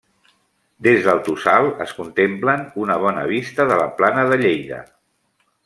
Des del Tossal es contemplen una bona vista de la plana de Lleida.